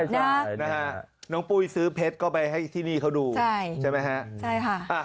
ใช่นะฮะน้องปุ้ยซื้อเพชรก็ไปให้ที่นี่เขาดูใช่ไหมฮะใช่ค่ะ